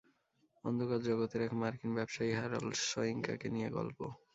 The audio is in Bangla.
অন্ধকার জগতের এক মার্কিন ব্যবসায়ী হ্যারল্ড সোয়িঙ্কাকে নিয়ে গল্প।